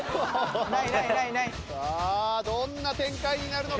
さあどんな展開になるのか。